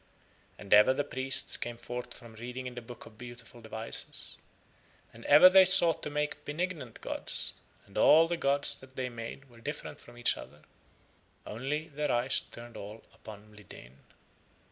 And ever the priests came forth from reading in the Book of Beautiful Devices and ever they sought to make benignant gods, and all the gods that they made were different from each other, only their eyes turned all upon Mlideen.